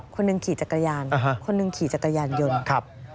คนหนึ่งขี่จักรยานคนหนึ่งขี่จักรยานยนต์ครับ